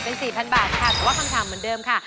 เป็น๔๐๐บาทค่ะแต่ว่าคำถามเหมือนเดิมค่ะ